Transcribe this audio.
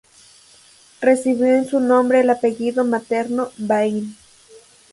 Recibió en su nombre el apellido materno Bain.